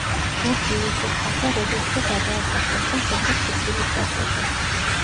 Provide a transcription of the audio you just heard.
გურჯი იუსუფ-ფაშა როდოსზე გადაასახლეს და შემდეგ სიკვდილით დასაჯეს.